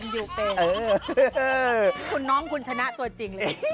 ยูเตคุณน้องคุณชนะตัวจริงเลย